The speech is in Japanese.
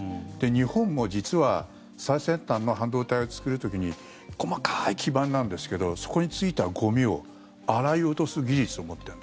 日本も実は最先端の半導体を作る時に細かい基盤なんですけどそこについてはゴミを洗い落とす技術を持ったやつ。